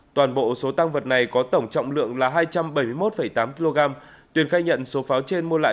toàn bộ số tăng vật này có tổng trọng lượng là hai trăm bảy mươi một tám kg tuyền khai nhận số pháo trên mua lại